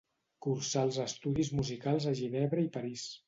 Cursà els estudis musicals a Ginebra i París.